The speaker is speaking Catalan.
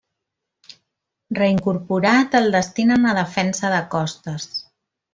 Reincorporat, el destinen a Defensa de Costes.